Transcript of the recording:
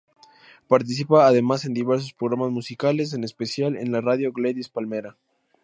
Participa, además, en diversos programas musicales, en especial en la radio Gladys Palmera.